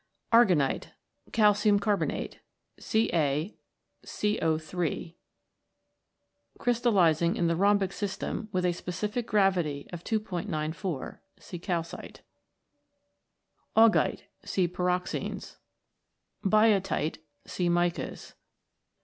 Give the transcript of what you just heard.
Aragonite. Calcium carbonate, CaC0 3 , crystallising in the rhombic system, with a specific gravity of 2'94. See Calcite. Augite. See Pyroxenes. Biotite. See Micas.